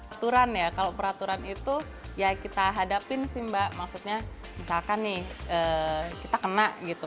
aturan ya kalau peraturan itu ya kita hadapin sih mbak maksudnya misalkan nih kita kena gitu